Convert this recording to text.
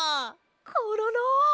コロロ！